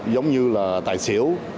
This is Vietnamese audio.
giống như là tài xỉu